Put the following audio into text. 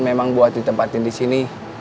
memang buat ditempatin disini